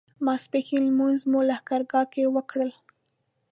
ماسپښین لمونځونه مو لښکرګاه کې وکړل.